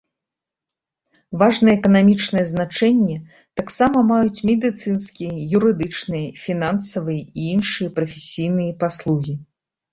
Важнае эканамічнае значэнне таксама маюць медыцынскія, юрыдычныя, фінансавыя і іншыя прафесійныя паслугі.